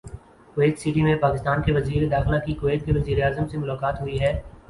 Kuwait city میں پاکستان کے وزیر داخلہ کی کویت کے وزیراعظم سے ملاقات ہوئی ہے